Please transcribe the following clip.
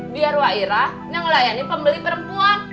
biar wa'ira yang ngelayanin pembeli perempuan